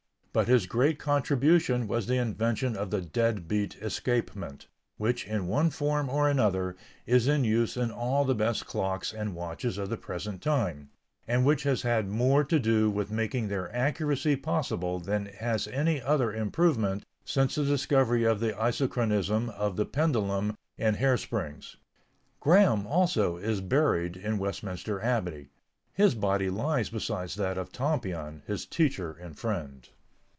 But his great contribution was the invention of the dead beat escapement, which, in one form or another, is in use in all the best clocks and watches of the present time, and which has had more to do with making their accuracy possible than has any other improvement since the discovery of the isochronism of the pendulum and hair springs. Graham, also, is buried in Westminster Abbey; his body lies beside that of Tompion, his teacher and friend.